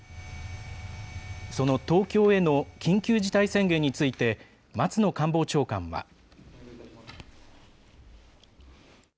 その東京への緊急事態宣言について、松野官房長官は。